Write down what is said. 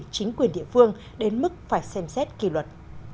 chính quyền địa phương đến mức phải xem xét kỳ luật